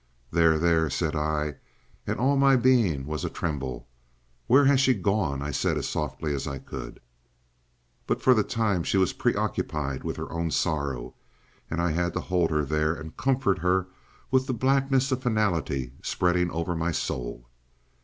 "There, there," said I, and all my being was a tremble. "Where has she gone?" I said as softly as I could. But for the time she was preoccupied with her own sorrow, and I had to hold her there, and comfort her with the blackness of finality spreading over my soul.